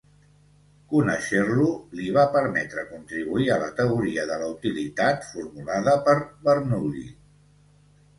Conèixer-lo li va permetre contribuir a la teoria de la utilitat formulada per Bernoulli.